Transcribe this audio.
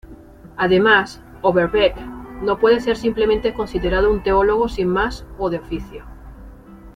Además, Overbeck no puede ser simplemente considerado un teólogo sin más o de oficio.